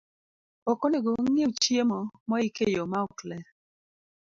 Ok onego wang'iew chiemo moik e yo maok ler.